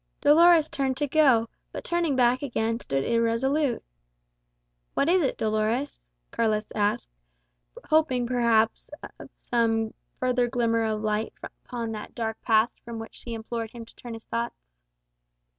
Dolores turned to go, but turning back again, stood irresolute. "What is it, Dolores?" Carlos asked; hoping, perhaps, for some further glimmer of light upon that dark past, from which she implored him to turn his thoughts.